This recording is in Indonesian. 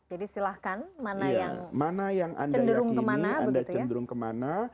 jadi silahkan mana yang cenderung kemana